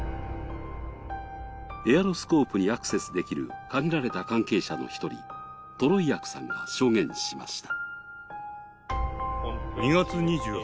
エアロスコープにアクセスできる限られた関係者の１人、トロイアクさんが証言しました。